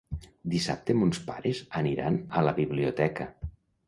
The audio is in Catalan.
Dissabte mons pares aniran a la biblioteca.